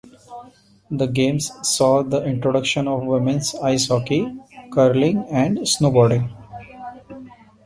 The Games saw the introduction of women's ice hockey, curling and snowboarding.